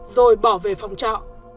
rồi bỏ về phòng trọ